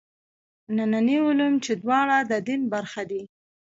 ننني علوم چې دواړه د دین برخه دي.